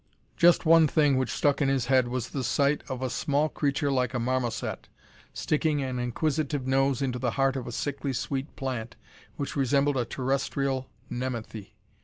Just one thing which stuck in his head was the sight of a small creature like a marmoset, sticking an inquisitive nose into the heart of a sickly sweet plant which resembled a terrestrial nepenthe.